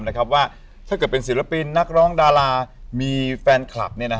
นะครับว่าเมื่อเป็นศิลปินนักร้องดารามีแฟนคลับ